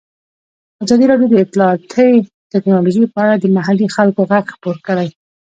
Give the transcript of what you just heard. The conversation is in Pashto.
ازادي راډیو د اطلاعاتی تکنالوژي په اړه د محلي خلکو غږ خپور کړی.